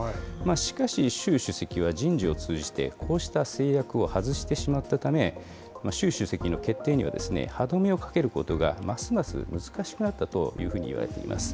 しかし、習主席は人事を通じて、こうした制約を外してしまったため、習主席の決定には歯止めをかけることがますます難しくなったというふうに言われています。